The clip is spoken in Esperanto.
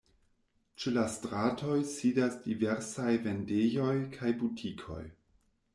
Ĉe la stratoj sidas diversaj vendejoj kaj butikoj.